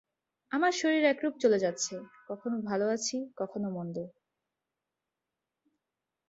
আমার শরীর একরূপ চলে যাচ্ছে, কখনও ভাল আছি, কখনও মন্দ।